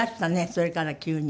それから急に。